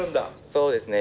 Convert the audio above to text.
そうですね。